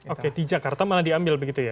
oke di jakarta malah diambil begitu ya